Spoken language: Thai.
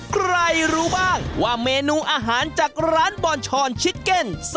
ใครรู้บ้างว่าเมนูอาหารจากร้านบอนชอนชิเก็น